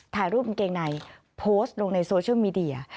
ถ่ายรูปกางเกงในโพสต์ลงในโซเชียลมีเดีย